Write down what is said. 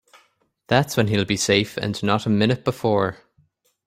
That's when he'll be safe and not a minute before.